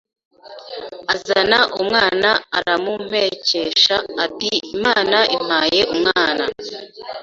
azana umwana aramumpekesha ati Imana impaye umwana